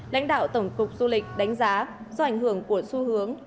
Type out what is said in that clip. lãnh đạo tổng cục du lịch đánh giá do ảnh hưởng của xu hướng